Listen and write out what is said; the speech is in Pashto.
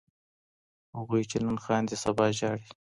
هغوی چې نن خاندي سبا ژاړي.